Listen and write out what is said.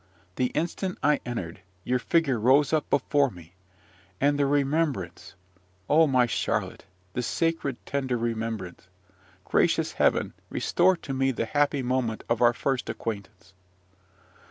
The instant I entered, your figure rose up before me, and the remembrance! O my Charlotte, the sacred, tender remembrance! Gracious Heaven! restore to me the happy moment of our first acquaintance.